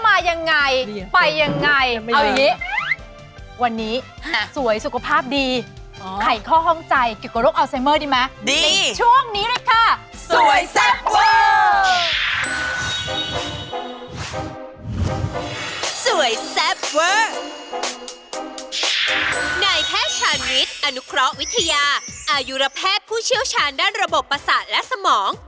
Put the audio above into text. อายุระแพทย์ผู้เชี่ยวชาญด้านระบบประสานและสมอง